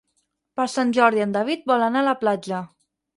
Per Sant Jordi en David vol anar a la platja.